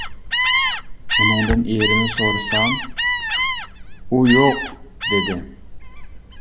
ئۇنىڭدىن ئېرىنى سورىسام، ‹ ‹ئۇ يوق› › دېدى.